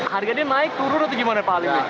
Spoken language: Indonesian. harganya naik turun atau gimana pak ali